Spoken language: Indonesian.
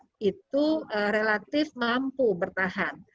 yang kuat itu relatif mampu bertahan